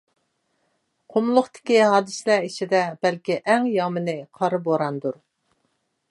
قۇملۇقتىكى ھادىسىلەر ئىچىدە بەلكى ئەڭ يامىنى قارا بوراندۇر.